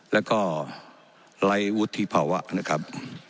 แล้วก็ไร้วุฒิภาวะนะครับ